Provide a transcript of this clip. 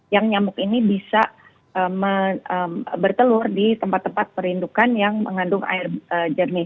yang nyamuk ini bisa bertelur di tempat tempat perindukan yang mengandung air jernih